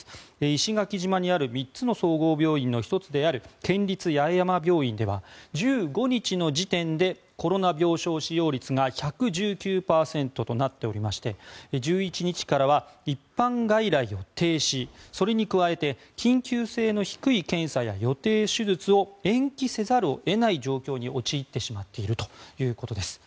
石垣島にある３つの総合病院の１つである県立八重山病院では１５日の時点でコロナ病床使用率が１１９％となっておりまして１１日からは一般外来を停止それに加えて緊急性の低い検査や予定手術を延期せざるを得ない状況に陥ってしまっているということです。